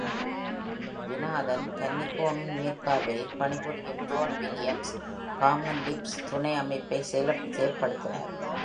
Jonathan கன்னிங்ஹாமின் மேற்பார்வையில் பணிபுரியும் ஜான் வில்லியம்ஸ் காமன் லிஸ்ப் துணை அமைப்பை செயல்படுத்தினார்.